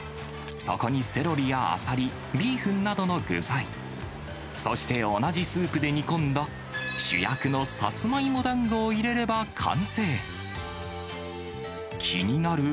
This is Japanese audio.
そこにセロリやアサリ、ビーフンなどの具材、そして同じスープで煮込んだ、主役のサツマイモだんごを入れれば完成。